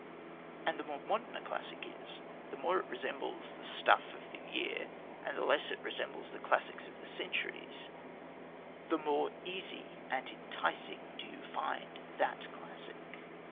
And the more modern a classic is, the more it resembles the stuff of the year and the less it resembles the classics of the centuries, the more easy and enticing do you find that classic.